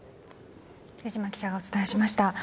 瀬島記者がお伝えしました。